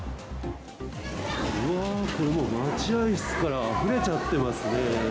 うわー、これもう、待合室からあふれちゃってますね。